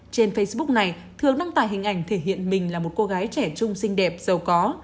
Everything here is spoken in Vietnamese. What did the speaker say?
trên facebook này thường đăng tải hình ảnh thể hiện mình là một cô gái trẻ chung xinh đẹp giàu có